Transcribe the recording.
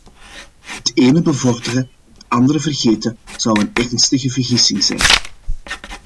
Het ene bevorderen en het andere vergeten zou een ernstige vergissing zijn.